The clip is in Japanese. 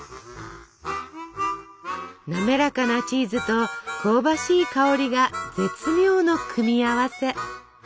なめらかなチーズと香ばしい香りが絶妙の組み合わせ。